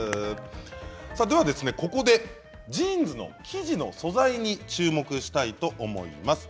では、ここでジーンズの生地の素材に注目したいと思います。